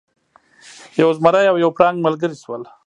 یو زمری او یو پړانګ ملګري شول.